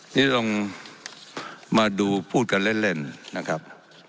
นี่ลองมาดูพูดกันเล่นนะครับ